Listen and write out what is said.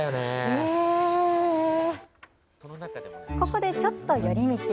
ここでちょっと寄り道。